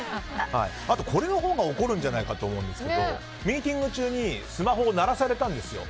これのほうが怒るんじゃないかと思うんですけどミーティング中にスマホを鳴らされたんですよ。